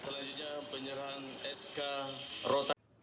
selanjutnya penyerahan sk rotasi